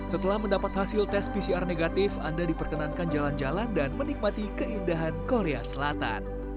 setelah mendapat hasil tes pcr negatif anda diperkenankan jalan jalan dan menikmati keindahan korea selatan